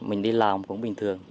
mình đi làm cũng bình thường